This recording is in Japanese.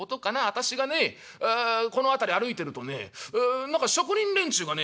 私がねこの辺り歩いてるとね何か職人連中がね妙な声出してるんだ」。